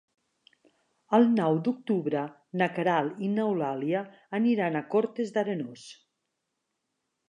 El nou d'octubre na Queralt i n'Eulàlia aniran a Cortes d'Arenós.